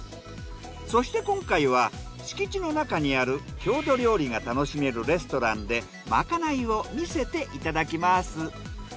そして今回は敷地の中にある郷土料理が楽しめるレストランでまかないを見せていただきます。